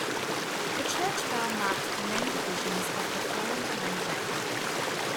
The church bell marked the main divisions of the Florentine day.